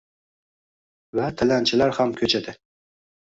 Va tilanchilar ham ko‘chada.